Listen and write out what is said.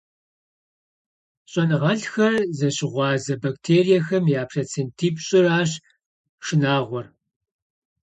Щӏэныгъэлӏхэр зыщыгъуазэ бактериехэм я процентипщӏыращ шынагъуэр.